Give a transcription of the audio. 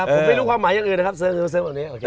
ผมไม่รู้ความหมายอย่างอื่นนะครับเสิร์ฟแบบนี้